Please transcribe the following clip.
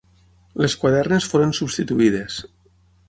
Les quadernes foren substituïdes.